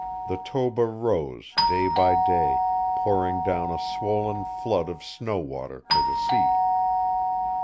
The Toba rose day by day, pouring down a swollen flood of snow water to the sea.